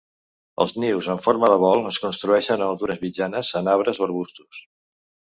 Els nius, en forma de bol, es construeixen a altures mitjanes en arbres o arbustos.